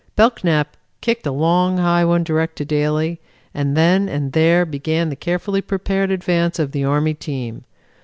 Belknap kicked a long high one direct to Daly, and then and there began the carefully prepared advance of the Army team.